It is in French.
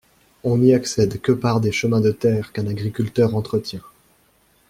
On n’y accède que par des chemins de terre qu’un agriculteur entretient.